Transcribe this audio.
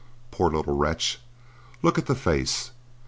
Poor little wretch! Look at the face!